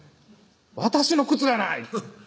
「私の靴がない！」